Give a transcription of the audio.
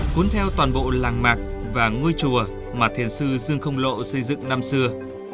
cuốn theo toàn bộ làng mạc và ngôi chùa mà thiền sư dương không lộ xây dựng năm xưa